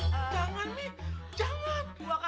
jangan mi jangan